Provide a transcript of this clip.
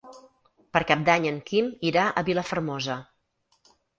Per Cap d'Any en Quim irà a Vilafermosa.